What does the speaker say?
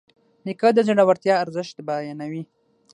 نیکه د زړورتیا ارزښت بیانوي.